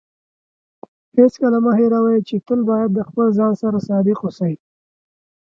هیڅکله مه هېروئ چې تل باید د خپل ځان سره صادق اوسئ.